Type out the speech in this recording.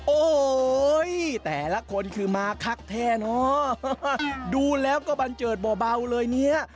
โอ้โหแต่ละคนคือมาคักแท้เนอะดูแล้วก็บันเจิดเบาเลยเนี่ย